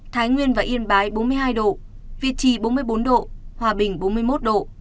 thái nguyên và yên bái bốn mươi hai độ việt trì bốn mươi bốn độ hòa bình bốn mươi một độ